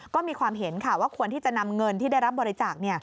ก็มีความเห็นค่ะว่าควรที่จะนำเงินที่ได้รับบริจาค